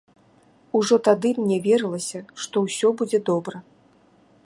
Ужо тады мне верылася, што ўсё будзе добра.